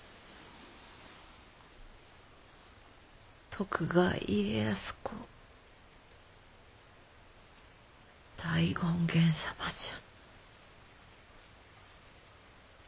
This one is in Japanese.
徳川家康公大権現様じゃ。